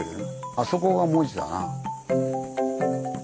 あそこが門司だな。